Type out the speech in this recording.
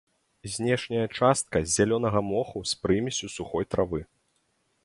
Знешняя частка з зялёнага моху з прымессю сухой травы.